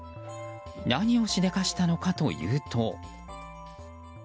何をしでかしたのかというと。